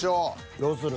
どうする？